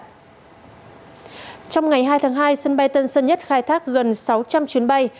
trong ngày hai tháng hai sân bay tân sơn nhất khai thác gần sáu trăm linh chuyến bay